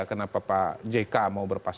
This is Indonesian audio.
kenapa pak jk mau berpasangan